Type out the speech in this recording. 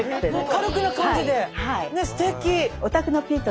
軽くな感じですてき。